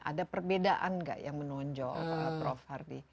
ada perbedaan nggak yang menonjol prof hardy